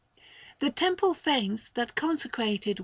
The Temple Fanes that consecrated were L.